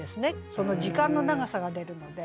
その時間の長さが出るので。